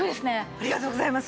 ありがとうございます。